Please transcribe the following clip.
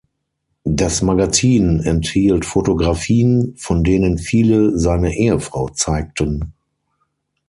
Das Magazin enthielt Fotografien, von denen viele seine Ehefrau zeigten.